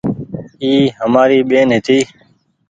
اي همآري ٻين هيتي ۔